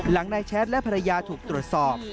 นายแชทและภรรยาถูกตรวจสอบ